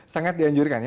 sangat dianjurkan ya